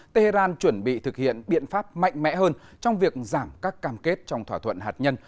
tehran chuẩn bị thực hiện biện pháp mạnh mẽ hơn trong việc giảm các cam kết trong thỏa thuận hạt nhân